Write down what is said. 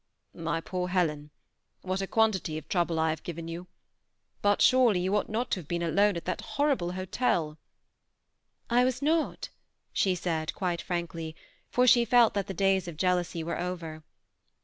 " My poor Helen, what a quantity of trouble I have THE SEMI ATTACHED COUPLE. 327 given you ! but surely you ought not to have been alone, at that horrible hotel." " I was not/* she said, quite frankly, for she felt that the days of jealousy were over.